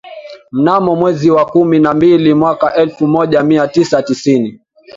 mnamo mwezi wa kumi na mbili mwaka elfu moja mia tisa tisini